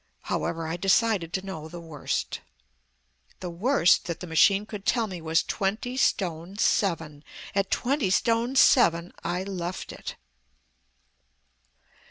However I decided to know the worst. The worst that the machine could tell me was twenty stone seven. At twenty stone seven I left it.